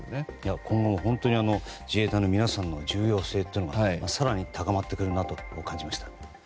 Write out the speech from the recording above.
今後自衛隊の皆さんの重要性が更に高まってくると感じました。